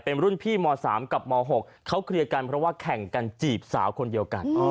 เป็นรุ่นพี่ม๓กับม๖เขาเคลียร์กันเพราะว่าแข่งกันจีบสาวคนเดียวกัน